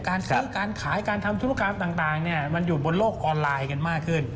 การซื้อการขายการทำธุรกรรมต่างมันอยู่บนโลกออนไลน์กันมากขึ้น